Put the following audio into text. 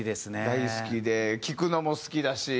大好きで聴くのも好きだし。